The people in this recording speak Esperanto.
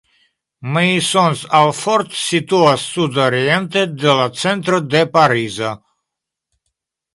Maisons-Alfort situas sudoriente de la centro de Parizo.